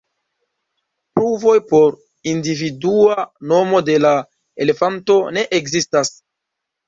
Pruvoj por individua nomo de la elefanto ne ekzistas.